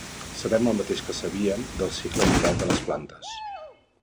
Sabem el mateix que sabíem del cicle vital de les plantes.